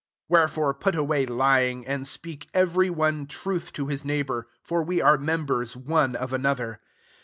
25 Wherefore put away yring, and speak every one ruth to his neighbour ; for we re members one of another.